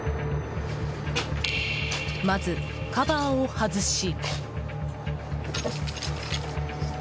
まず、カバーを外し。